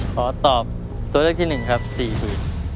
ขอตอบตัวเลือดที่หนึ่งครับ๔ผืน